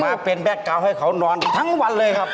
มาเป็นแก๊กเกาให้เขานอนทั้งวันเลยครับ